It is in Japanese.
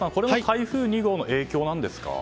台風２号の影響なんですか？